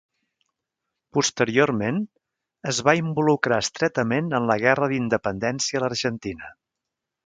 Posteriorment, es va involucrar estretament en la guerra d'independència a l'Argentina.